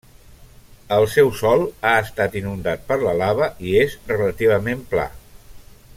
El seu sòl ha estat inundat per la lava i és relativament pla.